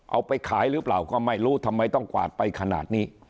เอาไปขายหรือเปล่าก็ไม่รู้ทำไมต้องกวาดไปขนาดนี้